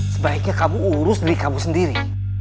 sebaiknya kamu urus diri kamu sendiri